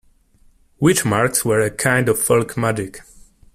Witch marks were a kind of folk magic.